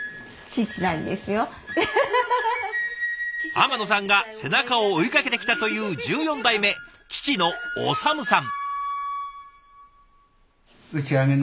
天野さんが背中を追いかけてきたという１４代目父の修さん。